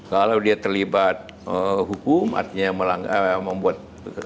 kalau dia terlibat hukum artinya membuat suatu kenyataan apalagi hukuman